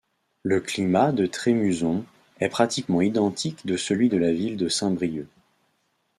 Le climat de Trémuson est pratiquement identique de celui de la ville de Saint-Brieuc.